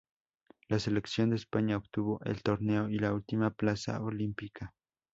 La selección de España obtuvo el torneo y la última plaza olímpica.